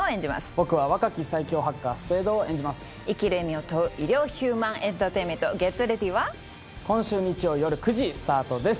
僕は若き最強ハッカー・スペードを演じます生きる意味を問う医療ヒューマンエンタテインメント「ＧｅｔＲｅａｄｙ！」は今週日曜夜９時スタートです